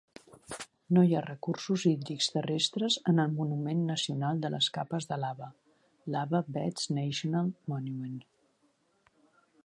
No hi ha recursos hídrics terrestres en el Monument Nacional de les Capes de Lava (Lava Beds National Monument).